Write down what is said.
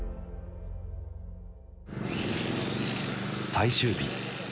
最終日。